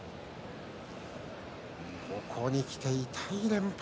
ここにきて痛い連敗